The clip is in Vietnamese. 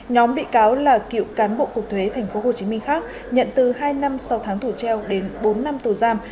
nhóm bị cáo là cựu cán bộ cục thuế tp hcm khác nhận từ hai năm sau tháng tù treo đến bốn năm tù giam